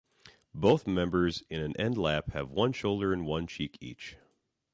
Both members in an end lap have one shoulder and one cheek each.